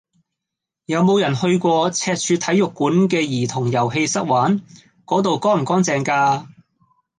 有無人去過赤柱體育館嘅兒童遊戲室玩？嗰度乾唔乾淨㗎？